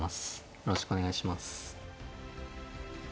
よろしくお願いします。